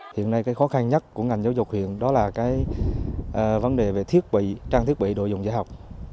hiện nay cái khó khăn nhất của ngành giáo dục huyện đó là cái vấn đề về trang thiết bị đồ dùng dạy học